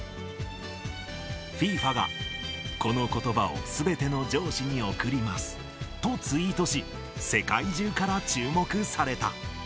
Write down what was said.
ＦＩＦＡが、このことばをすべての上司に贈りますとツイートし、世界中から注目された。